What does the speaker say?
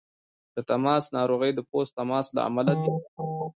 د تماس ناروغۍ د پوست تماس له امله دي.